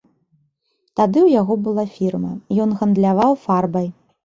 Тады ў яго была фірма, ён гандляваў фарбай.